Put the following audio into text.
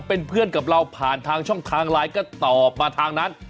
เป็นเพื่อนกับเราผ่านทางช่องทางไลน์ก็ตอบมาทางนั้น